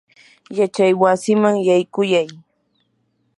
yachaywasiman yaykuyay.